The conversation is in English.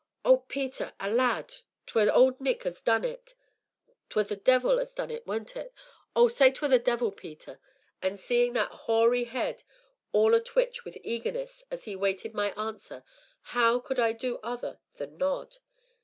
"Oh, Peter! oh, lad! 'twere Old Nick as done it 'twere the devil as done it, weren't it ? oh! say 'twere the devil, Peter." And, seeing that hoary head all a twitch with eagerness as he waited my answer, how could I do other than nod?